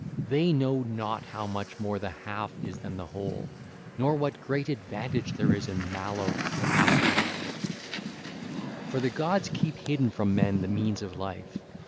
They know not how much more the half is than the whole, nor what great advantage there is in mallow and asphodel 1301. (ll. 42 53) For the gods keep hidden from men the means of life.